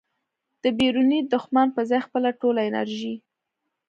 د بیروني دښمن په ځای خپله ټوله انرژي